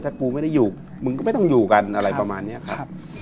ถ้ากูไม่ได้อยู่มึงก็ไม่ต้องอยู่กันอะไรประมาณนี้ครับ